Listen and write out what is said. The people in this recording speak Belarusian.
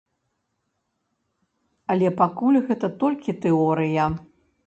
Але пакуль гэта толькі тэорыя.